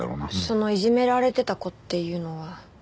そのいじめられてた子っていうのは。